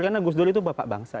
karena gusdur itu bapak bangsa